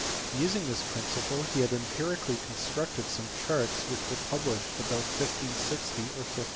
Using this principle, he had empirically constructed some charts, which were published about 1560 or 1570.